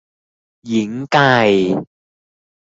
หญิงไก่